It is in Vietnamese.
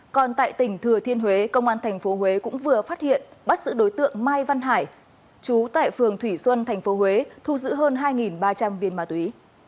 còn tại tỉnh thừa thiên huế công an tp huế cũng vừa phát hiện bắt giữ đối tượng mai văn hải chú tại phường thủy xuân tp huế thu giữ hơn hai ba trăm linh viên ma túy